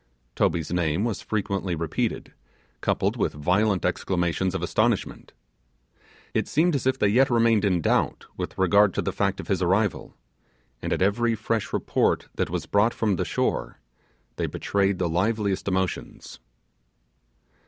Toby's name was frequently repeated, coupled with violent exclamations of astonishment. It seemed as if they yet remained in doubt with regard to the fact of his arrival, at at every fresh report that was brought from the shore they betrayed the liveliest emotions.